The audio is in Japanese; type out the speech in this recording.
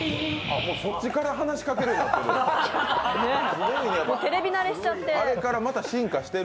もうそっちから話しかけるようになってる？